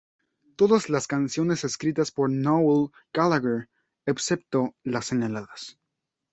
Todas las canciones escritas por Noel Gallagher, excepto las señaladas.